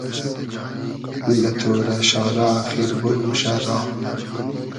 دۂ تۉرۂ شارۂ آخیر بور موشۂ را